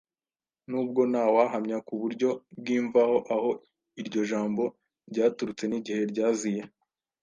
N'ubwo ntawahamya ku buryo bw'imvaho aho iryo jambo ryaturutse n'igihe ryaziye